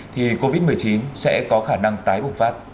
thì covid một mươi chín sẽ có khả năng tái bùng phát